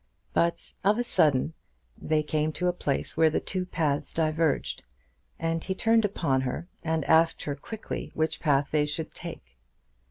But of a sudden they came to a place where two paths diverged, and he turned upon her and asked her quickly which path they should take.